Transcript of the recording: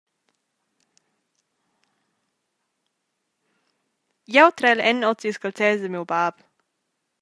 Jeu traiel en oz ils calzers da miu bab.